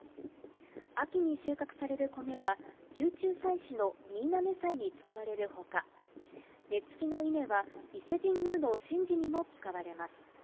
秋に収穫される米は、宮中祭祀の新嘗祭に使われるほか、ねつきの稲は伊勢神宮の神事にも使われます。